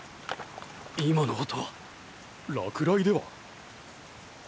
今の音は⁉落雷では？